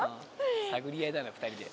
探り合いだな２人で。